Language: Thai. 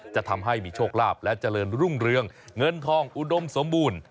จะทำให้มีโชคลาภและเจริญรุ่งเรืองเงินทองอุดมสมบูรณ์